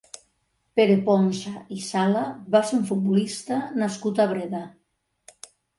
Pere Ponsa i Sala va ser un futbolista nascut a Breda.